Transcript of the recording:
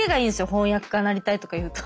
翻訳家なりたいとか言うと。